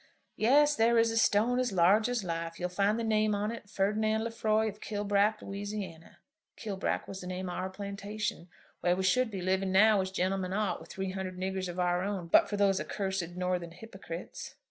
"Yes; there is a stone as large as life. You'll find the name on it, Ferdinand Lefroy of Kilbrack, Louisiana. Kilbrack was the name of our plantation, where we should be living now as gentlemen ought, with three hundred niggers of our own, but for these accursed Northern hypocrites."